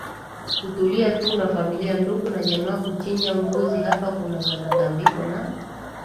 kutulia tu na familia ndugu na jamaa Kuchinja mbuzi hapa kuna za matambiko na